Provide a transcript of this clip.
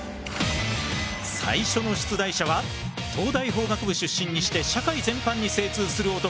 最初の出題者は東大法学部出身にして社会全般に精通する男